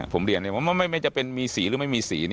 ผมเรียนว่าไม่จำเป็นมีสีหรือไม่มีสี